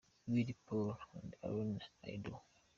Willy Paul & Alaine - I Do.